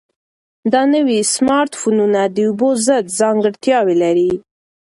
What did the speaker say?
دا نوي سمارټ فونونه د اوبو ضد ځانګړتیاوې لري.